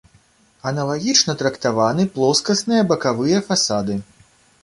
Аналагічна трактаваны плоскасныя бакавыя фасады.